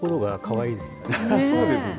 そうですね。